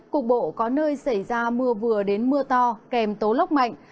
cục bộ có nơi xảy ra mưa vừa đến mưa to kèm tố lốc mạnh